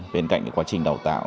bên cạnh quá trình đào tạo